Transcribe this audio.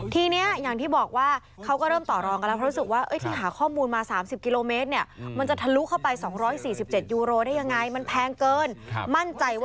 ทีนี้อย่างที่บอกว่าเค้าก็เริ่มต่อรองกันแล้ว